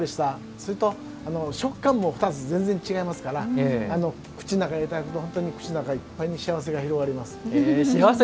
それと、食感も２つ、全然違いますから口の中いっぱいに幸せが広がります。